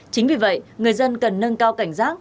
chính vì vậy người dân cần nâng cao cảnh giác